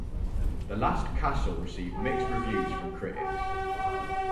"The Last Castle" received mixed reviews from critics.